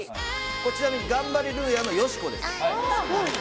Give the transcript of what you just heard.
こちらガンバレルーヤのよしこです。